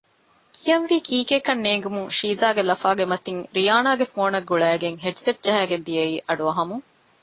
ކިޔަންވީ ކީކޭ ކަން ނޭނގުމުން ޝީޒާގެ ލަފާގެ މަތިން ރިޔާނާގެ ފޯނަށް ގުޅައިގެން ހެޑްސެޓް ޖަހައިގެން ދިޔައީ އަޑުއަހަމުން